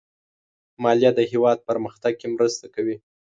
مالیه د هېواد پرمختګ کې مرسته کوي.